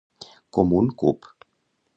Com un cup.